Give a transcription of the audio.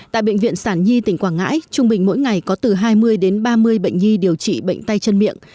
tại bệnh viện sản nhi tỉnh quảng ngãi trung bình mỗi ngày có từ hai mươi đến ba mươi bệnh nhi điều trị bệnh tay chân miệng